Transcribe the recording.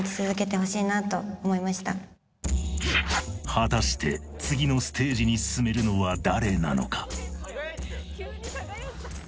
果たして次のステージに進めるのは誰なのか？